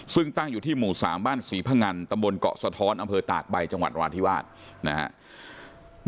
ซึ่งตั้งอยู่ที่หมู่๓บ้านศรีพงันตำบลเกาะสะท้อนอำเภอตากใบจังหวัดราธิวาสนะครับ